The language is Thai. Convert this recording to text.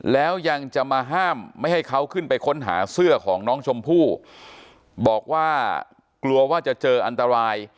แล้วยังจะมาห้ามไม่ให้เขาขึ้นไปค้นหาเสื้อของน้องชมพู่บอกว่ากลัวว่าจะเจออันตราย